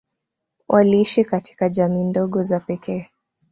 Waliishi katika jamii ndogo za pekee.